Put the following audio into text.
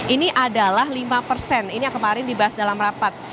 ini adalah lima persen ini yang kemarin dibahas dalam rapat